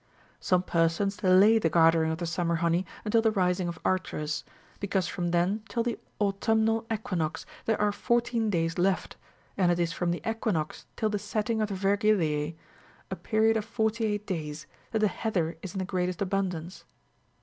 Some persons delay the gathering of the summer honey until the rising of Arcturus, because from then till the autumnal equinox there are fourteen days left, and it is from the equinox till the setting of the Vergilise, a pe riod of forty eight days, that the heather is in the greatest abun dance.